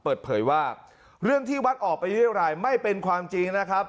เปิดเผยว่าเรื่องที่วัดออกไปเรียรายไม่เป็นความจริงนะครับ